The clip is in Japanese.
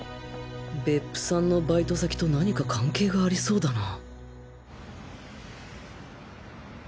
別府さんのバイト先と何か関係がありそうだな